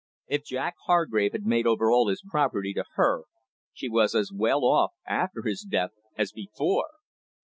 If Jack Hargrave had made over all his property to her, she was as well off after his death as before.